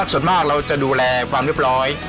ส่วนมากเราจะดูแลความเรียบร้อย